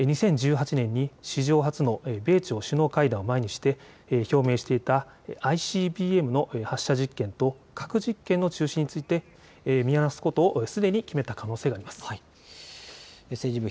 ２０１８年に史上初の米朝首脳会談を前にして表明していたＩＣＢＭの発射実験と核実験の中止について見直すことをすでに決めた可能性があります。